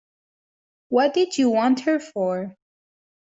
What did you want her for?